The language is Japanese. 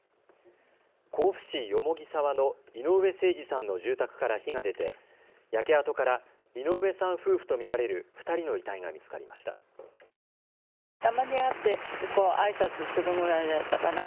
甲府市蓬沢の井上盛司さんの住宅から火が出て焼け跡から井上さん夫婦と見られる２人の遺体が見つかりました。